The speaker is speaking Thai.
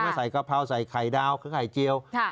จะมาใส่กะเพราใส่ไข่ดาวไข่เจียวค่ะ